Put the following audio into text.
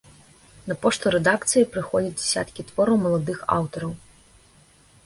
На пошту рэдакцыі прыходзіць дзясяткі твораў маладых аўтараў.